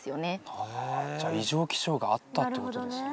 はあはあじゃあ異常気象があったってことですね？